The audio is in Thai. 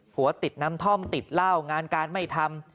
หัวติดน้ำท่อมติดเหล้างานการไม่ทำ